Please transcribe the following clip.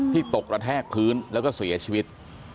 ตกกระแทกพื้นแล้วก็เสียชีวิต